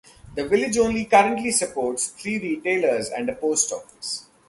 The village only currently supports three retailers and a Post Office.